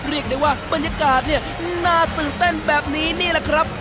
เรียกได้ว่าบรรยากาศเนี่ยน่าตื่นเต้นแบบนี้นี่แหละครับ